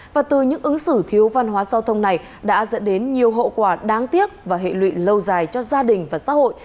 và từ những ứng xử thiếu văn hóa giao thông này đã dẫn đến nhiều hậu quả đáng tiếc và hệ lụy lâu dài cho gia đình và xã hội